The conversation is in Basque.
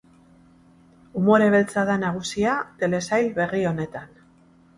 Umore beltza da nagusia telesail berri honetan.